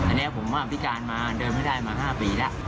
อันนี้ผมว่าพิการมาเดินไม่ได้มา๕ปีแล้ว